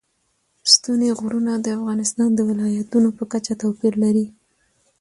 ستوني غرونه د افغانستان د ولایاتو په کچه توپیر لري.